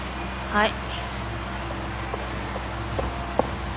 はい。